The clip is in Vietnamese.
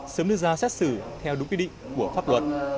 sớm đưa ra xét xử theo đúng quy định của pháp luật